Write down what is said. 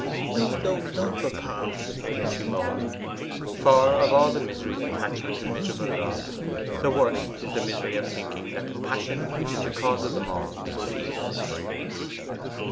'No, no, no, papa,' she moaned. For of all the miseries attaching to miserable love, the worst is the misery of thinking that the passion which is the cause of them all may cease.